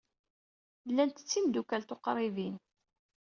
Llant d timeddukal tuqribin.